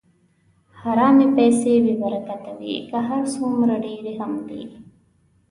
حرامې پیسې بېبرکته وي، که هر څومره ډېرې هم وي.